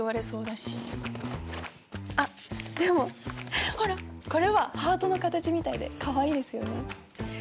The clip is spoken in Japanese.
あっでもほらこれはハートの形みたいでかわいいですよね。